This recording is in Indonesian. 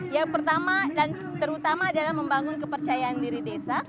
yang pertama dan terutama adalah membangun kepercayaan diri desa